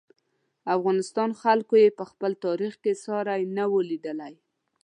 افغانستان خلکو یې په خپل تاریخ کې ساری نه و لیدلی.